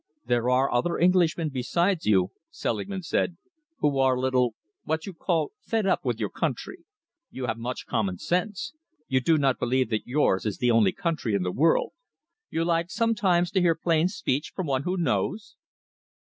"There are other Englishmen besides you," Selingman said, "who are a little what you call 'fed up' with your country. You have much common sense. You do not believe that yours is the only country in the world. You like sometimes to hear plain speech from one who knows?"